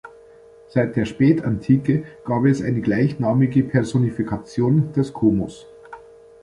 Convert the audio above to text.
Seit der Spätantike gab es eine gleichnamige Personifikation des Komos.